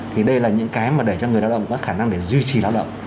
thì đây là những cái mà để cho người lao động có khả năng để duy trì lao động